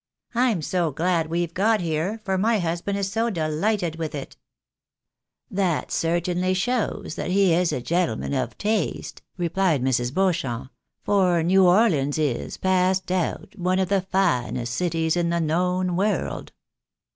" I'm so glad we've got here, for my husband is so delighted with it !"" That certainly shows that he is a gentleman of taste," replied Mrs. Beauchamp, " for New Orleans is, past doubt, one of the finest cities in the known world."